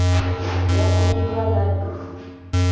Yakubiddwa laddu.